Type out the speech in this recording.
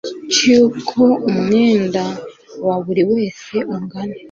cy uko umwenda wa buri wese ungana